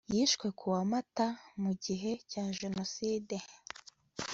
yishwe ku wa mata , mu gihe cya jenoside